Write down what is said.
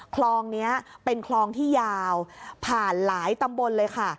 คลองนี้เป็นคลองที่ยาวผ่านหลายตำบลเลยค่ะ